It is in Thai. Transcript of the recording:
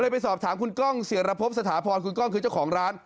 ไปสอบถามคุณกล้องเสียรพบสถาพรคุณก้องคือเจ้าของร้าน